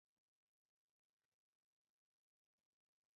琴曲描写的是水边雁起落飞翔的场景。